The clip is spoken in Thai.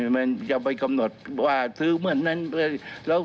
มันจะไปกำหนดว่าซื้อเมื่อนั้น